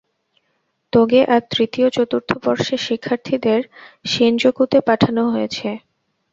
তোগে আর তৃতীয়-চতুর্থ বর্ষের শিক্ষার্থীদের শিনজোকুতে পাঠানো হয়েছে।